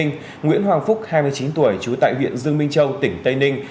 nguyễn hoàng phúc hai mươi chín tuổi trú tại huyện dương minh châu tỉnh tây ninh